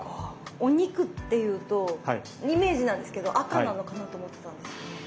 お肉っていうとイメージなんですけど赤なのかなと思ってたんですよね。